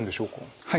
はい。